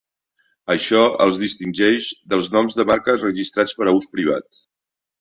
Això els distingeix dels noms de marca registrats per a ús privat.